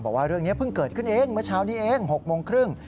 บอกว่าเรื่องนี้เพิ่งเกิดขึ้นเองเมื่อเช้านี้เอง๖โมงครึ่ง